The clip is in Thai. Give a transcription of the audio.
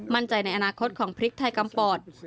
มั่นใจในอนาคตของพริกไทยกำปอด